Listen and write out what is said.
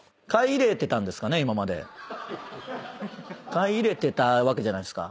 買い入れてたわけじゃないですか。